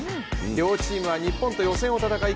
両チームは日本と予選を戦い